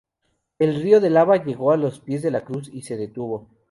El río de lava llegó a los pies de la cruz, y se detuvo.